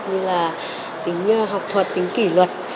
như là tính học thuật tính kỷ luật